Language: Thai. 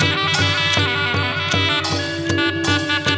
มีชื่อว่าโนราตัวอ่อนครับ